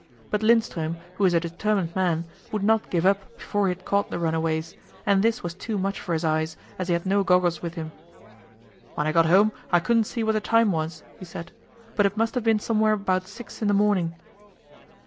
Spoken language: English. But Lindström, who is a determined man, would not give up before he had caught the runaways; and this was too much for his eyes, as he had no goggles with him. "When I got home I couldn't see what the time was," he said; "but it must have been somewhere about six in the morning."